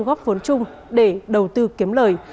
góp vốn chung để đầu tư kiếm lời